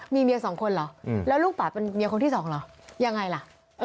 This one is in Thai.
มีเมียสองคนเหรอแล้วลูกป่าเป็นเมียคนที่สองเหรอยังไงล่ะ